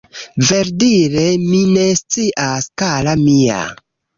Verdire mi ne scias kara mia